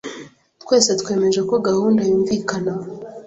Twese twemeje ko gahunda yumvikana.